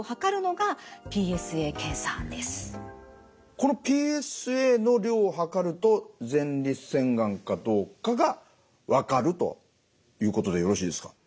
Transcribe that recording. このＰＳＡの量を測ると前立腺がんかどうかが分かるということでよろしいですか？